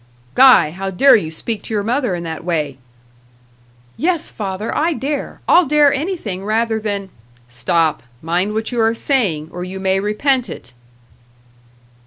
"Guy, how dare you speak to your mother in that way?" "Yes, father, I dare. I'll dare anything rather than " "Stop. Mind what you are saying or you may repent it."